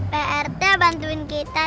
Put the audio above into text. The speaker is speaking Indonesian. prt bantuin kita